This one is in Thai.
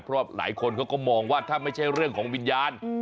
เพราะหลายคนเขาก็มองว่าถ้าไม่ใช่เรื่องของวิญญาณ